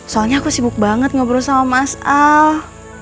soalnya aku sibuk banget ngobrol sama mas ah